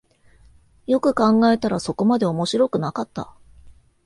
よく考えたらそこまで面白くなかった